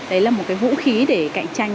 đấy là một cái vũ khí để cạnh tranh